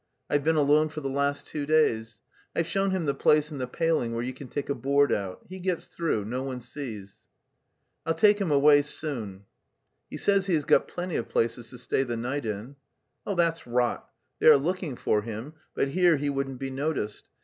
I've been alone for the last two days. I've shown him the place in the paling where you can take a board out; he gets through, no one sees." "I'll take him away soon." "He says he has got plenty of places to stay the night in." "That's rot; they are looking for him, but here he wouldn't be noticed.